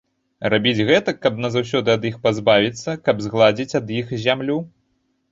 Рабіць гэтак, каб назаўсёды ад іх пазбавіцца, каб згладзіць ад іх зямлю.